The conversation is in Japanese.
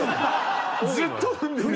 ずっと踏んでる。